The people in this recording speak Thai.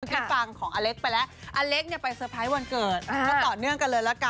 เราเลยฟังของ่วเฮล็กขึ้นไปละ